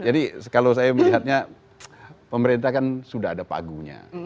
jadi kalau saya melihatnya pemerintah kan sudah ada pagunya